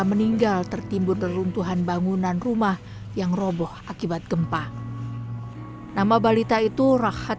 meninggal tertimbun lelung tuhan bangunan rumah yang roboh akibat gempa nama balita itu rahat